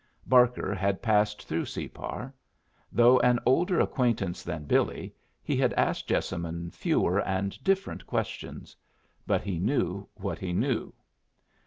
Barker had passed through Separ. Though an older acquaintance than Billy, he had asked Jessamine fewer and different questions. But he knew what he knew.